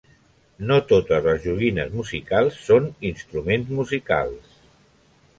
No totes les joguines musicals són instruments musicals.